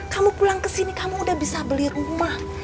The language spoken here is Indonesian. kamu pulang kesini kamu udah bisa beli rumah